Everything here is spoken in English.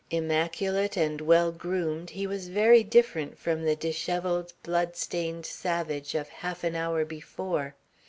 Immaculate and well groomed he was very different from the dishevelled, bloodstained savage of half an hour before.